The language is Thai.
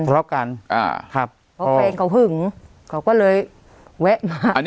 เพราะเขาเองเขาหึ่งเขาก็เลยเว๊ะมา